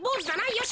よし！